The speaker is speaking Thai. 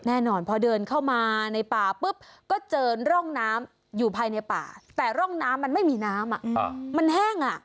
แน่นอนพอเดินเข้ามาในป่าปุ๊บก็เจอร่องน้ำอยู่ภายในป่าแต่ร่องน้ำมันไม่มีน้ำมันแห้งอ่ะ